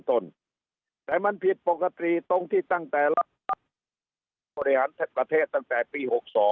แต่มันผิดปกติตรงที่ตั้งแต่รับบริหารประเทศตั้งแต่ปี๖๒